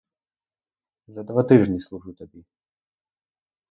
За два тижні служу тобі.